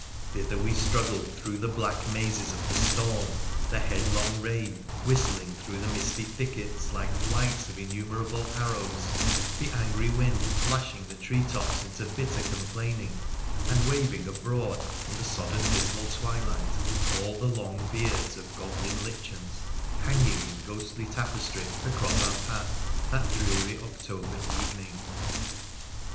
Thither we struggled through the black mazes of the storm, the headlong rain whistling through the misty thickets like flights of innumerable anrows, the angry wind lashing the treetops into bitter complaining, and waving abroad (in the sodden dismal twilight) all the long beards of goblin lichens hanging in ghostly tapestry across our path that dreary October evening.